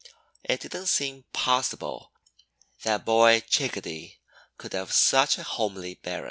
It didn't seem possible that Boy Chickadee could have such a homely bairn!